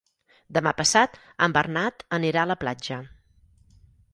Demà passat en Bernat anirà a la platja.